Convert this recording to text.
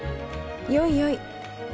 よいよい。